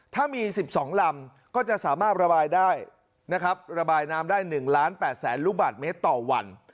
ถ้ามี๑๒ลำก็จะสามารถระบายน้ำได้๑๘๐๐๐๐๐ลูกบาทเมตรต่อวัน